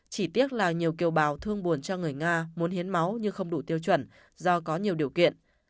chỉ tiếc là nhiều kiều bào thương buồn cho người nga muốn hiến máu nhưng không đủ tiêu chuẩn do có nhiều điều kiện